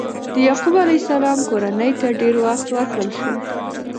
د یعقوب علیه السلام کورنۍ ته ډېر وخت ورکړل شو.